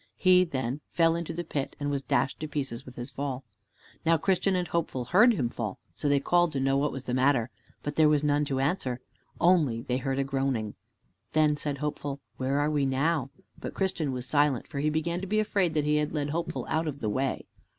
He, then, fell into the pit and was dashed to pieces with his fall. Now Christian and Hopeful heard him fall, so they called to know what was the matter, but there was none to answer, only they heard a groaning. Then said Hopeful, "Where are we now?" But Christian was silent, for he began to be afraid that he had led Hopeful out of the way.